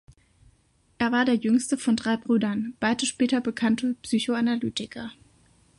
Er war der jüngste von drei Brüdern, beide später bekannte Psychoanalytiker.